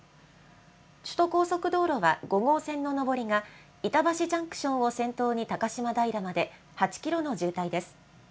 首都高速道路は５号線の上りが、板橋ジャンクションを先頭に高島平まで８キロの渋滞です。